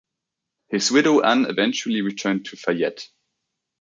His widow Ann eventually returned to Fayette.